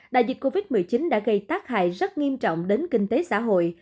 đại dịch covid một mươi chín đã gây tác hại rất nghiêm trọng đến kinh tế xã hội